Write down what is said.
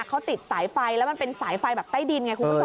เขาติดสายไฟแล้วมันเป็นสายไฟแบบใต้ดินไงคุณผู้ชม